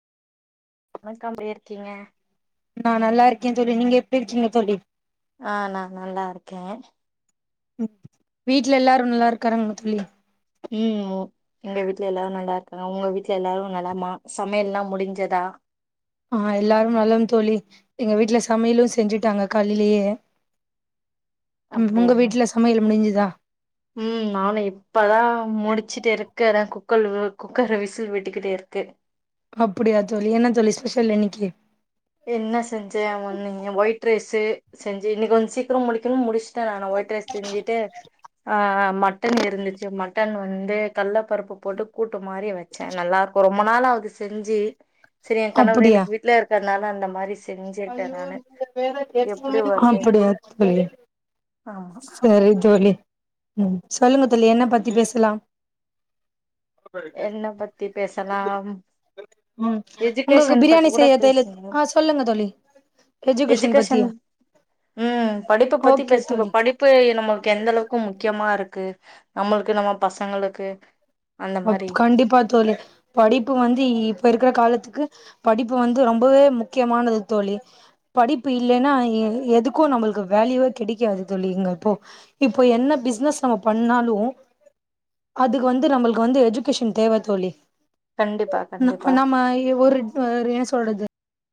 வணக்கம் எப்டி இருக்கீங்க நா நல்லா இருக்கேன் தோழி நீங்க எப்டி இருக்கீங்க தோழி ஆ நா நல்லா இருக்கே ம் வீட்ல எல்லாரு நல்லா இருக்காருங்ளா தோழி ம் ஒ எங்க வீட்ல எல்லாரு நல்லா இருக்காங்க உங்க வீட்ல எல்லாரு நலமா சமயல்லா முடிஞ்சதா ஆ எல்லாரு நலம் தோழி எங்க வீட்ல சமைலு செஞ்சுட்டாங்க காலிலியே ம் உங்க அப்டியா வீட்ல சமையல் முடிஞ்சுதா ம் நானு இப்பதா முடிச்சுட்டு இருக்கிற குக்கர்ல வே குக்கரு விசில் விட்டுக்கிட்டே இருக்கு அப்படியா தோழி என்ன தோழி ஸ்பெஷல் இன்னிக்கி என்ன செஞ்சே ஒன்னிங்க ஒயிட் ரைஸு செஞ்சு இன்னிக்கொஞ் சீக்ரோ முடிக்கிணு முடிஷ் ட நா ஒய்ட் ரைஸ் செஞ்சிட்டு ஆ ஆ மட் டன் இருந்துச்சு மட்டன் வந்து கல்ல பருப்பு போட்டு கூட்டு மாரி வெச்சே நல்லாருக்கோ ரொம்ப நாளாவ்து செஞ்சு செரி எ கணவரு அப்டியா இன்னிக் வீட்ல இருக்கற்னால அந்த மாரி செஞ்சிருக்கே ஐயோ நானு நீங்க வேற எப்பிடி எப்பவுமே வருதுன் அப்டியா ஆமா செரி தோழி ம் சொல்லுங்க தோழி என்ன பத்தி பேசலாம் என்ன பத்தி பேசலாம் ம் உங்குள்கு எஜுகேஷன் பத்தி பிரியாணி கூட செய்ய தெலு பேசுவோ ஆ சொல்லுங்க தோழி எஜுகேஷன் பத்தியா ம் படிப்ப பத்தி ஓகே பேசுங்கோ தோழி படிப் பு நம்முள்கு எந்தளவுக்கு முக்கியமா ருக்கு நம்முளுக்கு நம்ம பசங்களுக்கு அந் அப் கண்டிப்பா தோழி படிப்பு வந்து இப்ப இருக்கற காலத்துக்கு படிப்பு வந்து ரொம்பவே முக்கியமானது தோழி படிப்பு இல்லேனா ஏ எதுக்கு நம்புள்க்கு வேல்யூவே கிடிக்காது தோழி இங்க இப்போ இப்ப என்ன பிஸ்னஸ் நம்ம பண்ணாலு அதுக் வந்து நம்முள்க் கு வந்து எஜுகேஷன் தேவ தோழி கண்டிப்பா, ந கண்டிப்பா. நாம ஏ ஒரு அ என்ன சொல்றது